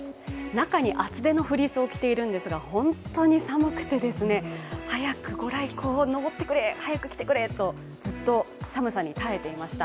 中に厚手のフリースを着ているんですが、本当に寒くて早く御来光、昇ってくれ早く来てくれとずっと寒さに耐えていました。